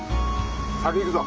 先行くぞ。